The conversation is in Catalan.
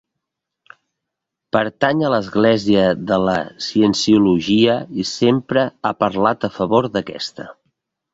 Pertany a l'Església de la Cienciologia i sempre ha parlat a favor d'aquesta.